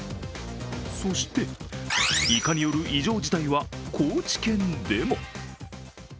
そしてイカによる異常事態は高知県でも。